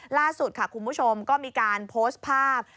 ล่าสุดค่ะคุณผู้ชมก็มีการโพสต์ภาพ